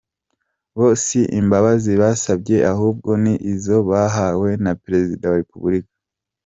Bo si imbabazi basabye ahubwo ni izo bahawe na Perezida wa Repubulika.